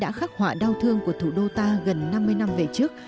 đã khắc họa đau thương của thủ đô ta gần năm mươi năm về trước